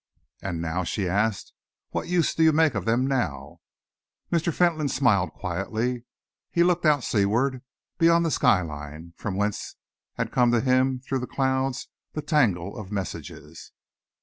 "And now?" she asked. "What use do you make of them now?" Mr. Fentolin smiled quietly. He looked out sea ward, beyond the sky line, from whence had come to him, through the clouds, that tangle of messages.